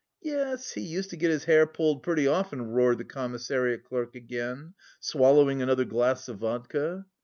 "Yes, he used to get his hair pulled pretty often," roared the commissariat clerk again, swallowing another glass of vodka.